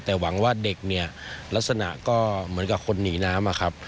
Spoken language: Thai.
แต่หวังว่าเด็กเนี่ยลักษณะก็เหมือนกับคนหนีน้ำอะครับ